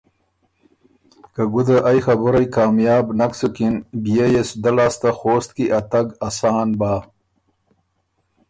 که ګُده ائ خبُرئ کامیاب نک سُکِن بيې سو دۀ لاسته خوست کی ا تګ اسان بَۀ۔